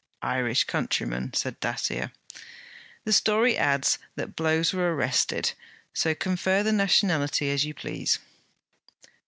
'Irish countrymen,' said Dacier. 'The story adds, that blows were arrested; so confer the nationality as you please.'